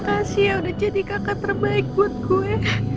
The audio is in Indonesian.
kasih ya udah jadi kakak terbaik buat gue